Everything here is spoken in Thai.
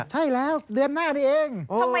ใช่แล้วเดือนหน้านี้เอง